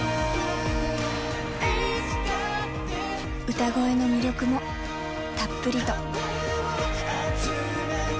歌声の魅力もたっぷりと。